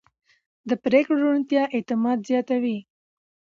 د پرېکړو روڼتیا اعتماد زیاتوي